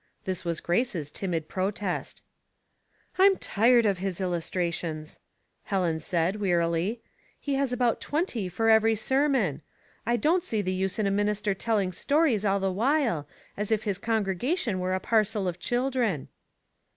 This was Grace's timid protest 184 Household Puzzles. " I'm tired of his illustrations," Helen said, wearily. *' He has about twenty for every sermon. I don't see the use in a minister telling stories all the while, as if his congregation were a parcel of children."